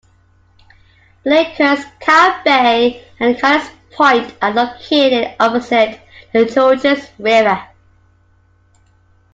Blakehurst, Kyle Bay and Connells Point are located opposite the Georges River.